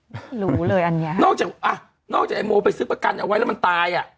ไม่รู้เลยอันเนี้ยนอกจากอ่ะนอกจากไอ้โมไปซื้อประกันเอาไว้แล้วมันตายอ่ะ